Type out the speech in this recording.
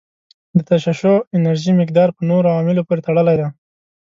د تشعشعي انرژي مقدار په نورو عواملو پورې تړلی دی.